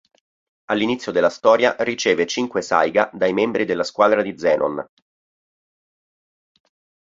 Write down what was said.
All'inizio della storia riceve cinque Saiga dai membri della squadra di Zenon.